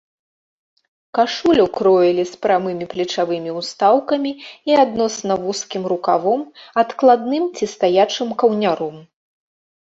Кашулю кроілі з прамымі плечавымі ўстаўкамі і адносна вузкім рукавом, адкладным ці стаячым каўняром.